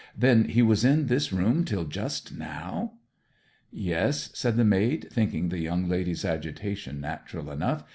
'Then he was in this room till just now?' 'Yes,' said the maid, thinking the young lady's agitation natural enough.